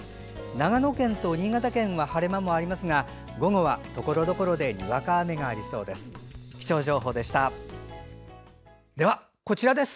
長野県と新潟県は晴れ間もありますが午後は、ところどころでにわか雨がありそうです。